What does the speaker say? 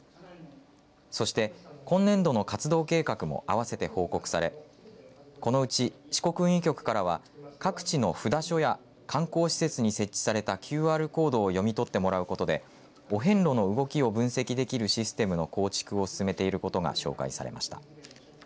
そして今年度の活動計画も合わせて報告されこのうち四国運輸局からは各地の札所や観光施設に設置されたＱＲコードを読み取ってもらうことでお遍路の動きを分析できるシステムの構築を進めていることが紹介されました。